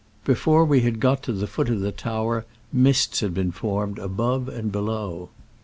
Before we had got to the foot of the Tower mists had been formed above and below.